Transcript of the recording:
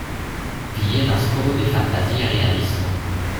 Viena skolo de fantazia realismo.